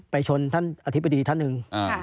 ชนท่านอธิบดีท่านหนึ่ง